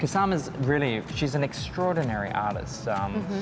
kusama adalah seorang artis yang luar biasa